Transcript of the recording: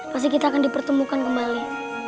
pasti kita akan dipertemukan kembali